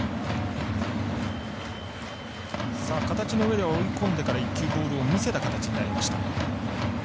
形の上では追い込んでから１球ボールを見せた形になりました。